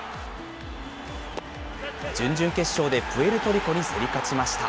準々決勝でプエルトリコに競り勝ちました。